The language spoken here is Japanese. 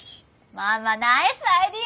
ママナイスアイデア！